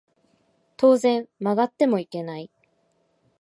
当然曲がってもいけない